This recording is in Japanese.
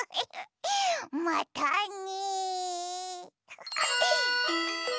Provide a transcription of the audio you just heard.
またね。